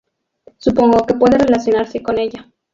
Supongo que puede relacionarse con ella.